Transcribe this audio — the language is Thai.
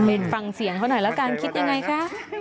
ฟังเสียงเขาหน่อยละกันคิดยังไงคะ